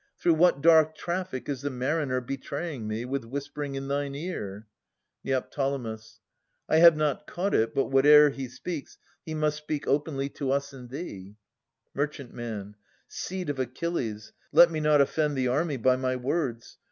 Through what dark traffic is the mariner Betraying me with whispering in thine ear? Neo. I have not caught it, but whate'er he speaks He must speak openly to us and thee. Mer. Seed of Achilles, let me not offend The army by my words